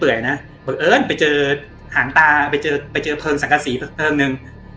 เผื่อเอิ้นไปเจอหางตาไปเจอเพลิงสังฆษีเพิ่งนึง